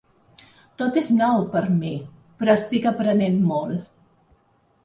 Tot és nou per a mi, però estic aprenent molt.